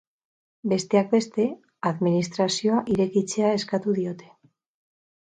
Besteak beste, administrazioa irekitzea eskatu diote.